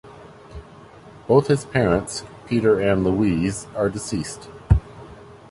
Both his parents, Peter and Louise, are deceased.